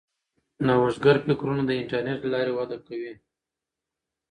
نوښتګر فکرونه د انټرنیټ له لارې وده کوي.